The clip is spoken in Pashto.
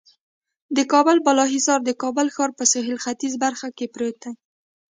د کابل بالا حصار د کابل ښار په سهیل ختیځه برخه کې پروت دی.